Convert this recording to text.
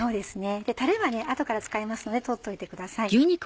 タレは後から使いますので取っといてください。